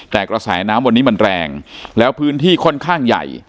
แต่กระแสน้ำวันนี้มันแรงแล้วพื้นที่ค่อนข้างใหญ่